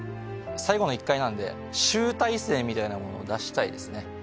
最後の１回なんで集大成みたいなものを出したいですね